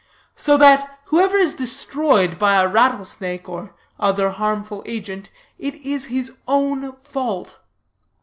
So that whoever is destroyed by a rattle snake, or other harmful agent, it is his own fault.